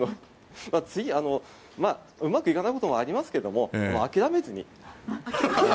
次、うまくいかないこともありますが諦めずに。